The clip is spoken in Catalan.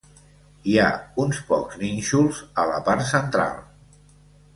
Hi ha uns pocs nínxols a la part central.